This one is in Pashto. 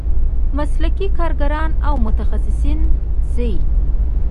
مسلکي کارګران او متخصصین شي.